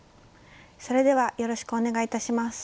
それではよろしくお願いいたします。